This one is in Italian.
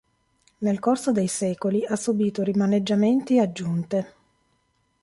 Nel corso dei secoli ha subito rimaneggiamenti e aggiunte.